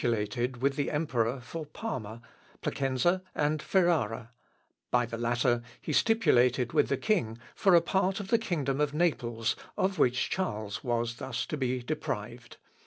By the former he stipulated with the emperor for Parma, Placenza, and Ferrara; by the latter, he stipulated with the king for a part of the kingdom of Naples, of which Charles was thus to be deprived.